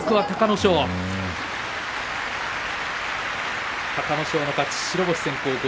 隆の勝の勝ち、白星先行。